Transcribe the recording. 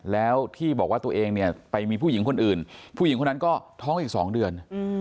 แล้วที่บอกว่าตัวเองเนี่ยไปมีผู้หญิงคนอื่นผู้หญิงคนนั้นก็ท้องอีก๒เดือน